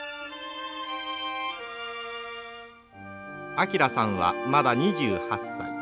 旭さんはまだ２８歳。